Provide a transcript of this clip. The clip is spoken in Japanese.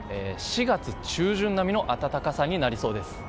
４月中旬並みの暖かさになりそうです。